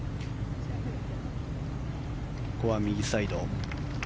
ここは右サイド。